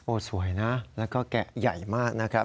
สวยนะแล้วก็แกะใหญ่มากนะครับ